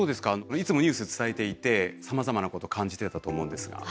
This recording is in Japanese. いつもニュース伝えていてさまざまなことを感じてたと思うんですが。